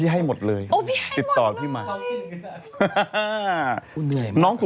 จากธนาคารกรุงเทพฯ